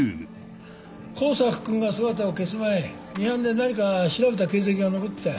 香坂君が姿を消す前ミハンで何か調べた形跡が残ってたよ。